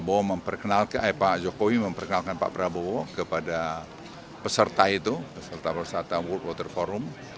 saya berterima kasih kepada pak prabowo kepada peserta itu peserta peserta world water forum